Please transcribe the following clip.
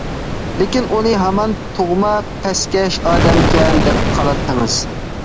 لېكىن ئۇنى ھامان تۇغما پەسكەش ئادەمكەن دەپ قالاتتىڭىز.